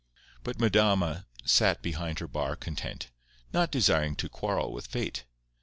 But Madama sat behind her bar content, not desiring to quarrel with Fate.